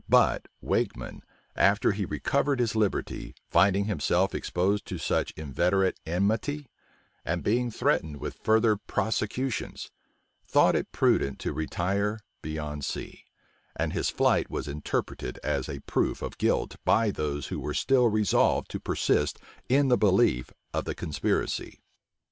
But Wakeman, after he recovered his liberty, finding himself exposed to such inveterate enmity, and being threatened with further prosecutions, thought it prudent to retire beyond sea; and his flight was interpreted as a proof of guilt, by those who were still resolved to persist in the belief of the conspiracy.